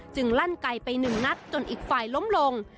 ลั่นไกลไปหนึ่งนัดจนอีกฝ่ายล้มลง